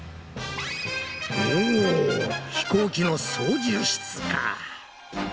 おぉ飛行機の操縦室か。